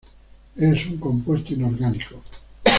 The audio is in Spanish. Es un compuesto inorgánico.